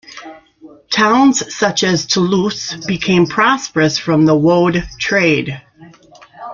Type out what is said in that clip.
Towns such as Toulouse became prosperous from the woad trade.